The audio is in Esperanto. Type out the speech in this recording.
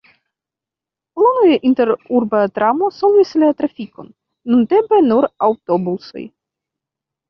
Longe interurba tramo solvis la trafikon, nuntempe nur aŭtobusoj.